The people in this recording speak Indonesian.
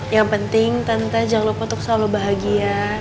yang penting tante jangan lupa untuk selalu bahagia